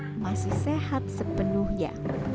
maryani masih sehat sepenuhnya